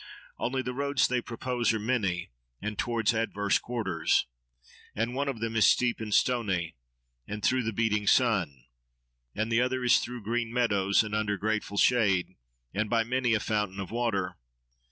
Only, the roads they propose are many, and towards adverse quarters. And one of them is steep and stony, and through the beating sun; and the other is through green meadows, and under grateful shade, and by many a fountain of water.